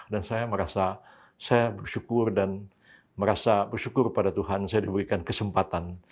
dan saya merasa saya bersyukur dan merasa bersyukur kepada tuhan saya diberikan kesempatan